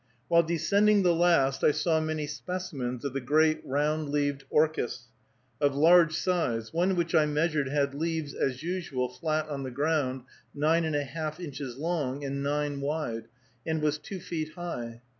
While descending the last, I saw many specimens of the great round leaved orchis, of large size; one which I measured had leaves, as usual, flat on the ground, nine and a half inches long, and nine wide, and was two feet high.